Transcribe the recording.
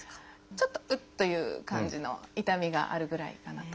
ちょっと「うっ」という感じの痛みがあるぐらいかなと。